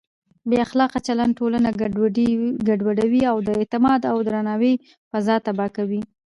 بې اخلاقه چلند ټولنه ګډوډوي او د اعتماد او درناوي فضا تباه کوي.